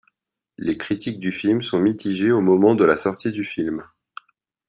Les critiques du film sont mitigées au moment de la sortie du film.